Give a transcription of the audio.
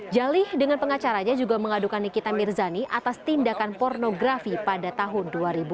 jalih dengan pengacaranya juga mengadukan nikita mirzani atas tindakan pornografi pada tahun dua ribu